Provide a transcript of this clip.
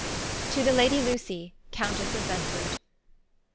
¶ To the Ladie Lucie, Coun tesse of Bedford.